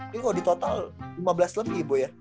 ini kalau di total lima belas lebih ibu ya